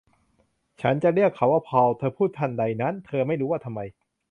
ฉันจะเรียกเขาว่าพอล เธอพูดทันใดนั้น เธอไม่รู้ว่าทำไม